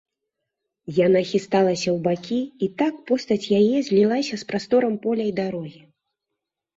Яна хісталася ў бакі, і так постаць яе злілася з прасторам поля і дарогі.